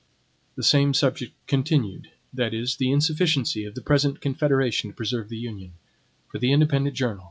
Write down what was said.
17 The Same Subject Continued (The Insufficiency of the Present Confederation to Preserve the Union) For the Independent Journal.